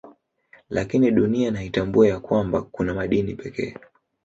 Lakini Dunia na itambue ya kwanba kuna madini pekee